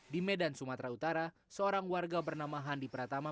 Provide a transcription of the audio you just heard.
di medan sumatera utara seorang warga bernama handi pratama